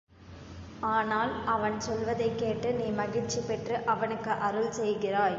ஆனால் அவன் சொல்வதைக் கேட்டு நீ மகிழ்ச்சி பெற்று அவனுக்கு அருள் செய்கிறாய்.